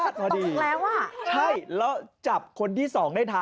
สาวตอนต่อมา